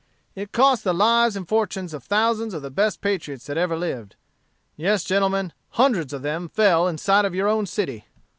It cost the lives and fortunes of thousands of the best patriots that ever lived. Yes, gentlemen, hundreds of them fell in sight of your own city.